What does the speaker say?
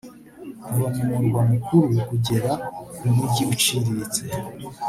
kuva ku murwa mukuru kugera ku mujyi uciriritse